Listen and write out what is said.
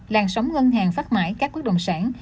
làn sóng ngân hàng phát mãi các bất đồng sản